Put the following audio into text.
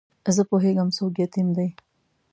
زه پوهېږم څوک یتیم دی.